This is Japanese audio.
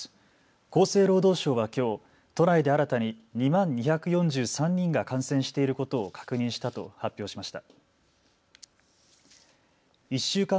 厚生労働省はきょう都内で新たに２万２４３人が感染していることを確認したと発表しました。